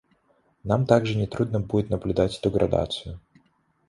Нам также нетрудно будет наблюдать эту градацию.